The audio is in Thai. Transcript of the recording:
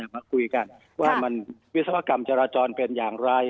มาคุยกันว่ามันวิศวกรรมจราจรเป็นอย่างไร